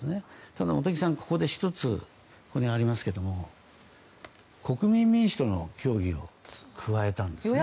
ただ、茂木さんはここで１つ、国民民主との協議を加えたんですね。